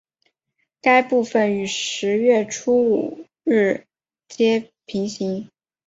该部份与十月初五日街平行。